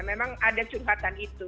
memang ada curhatan itu